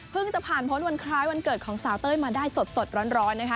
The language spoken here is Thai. จะผ่านพ้นวันคล้ายวันเกิดของสาวเต้ยมาได้สดร้อนนะคะ